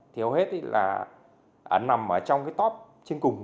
thì hầu hết là ảnh nằm trong cái top trên cùng